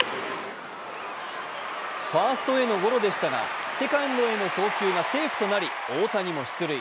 ファーストへのゴロでしたが、セカンドへの送球がセーフとなり大谷も出塁。